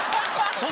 ・そう。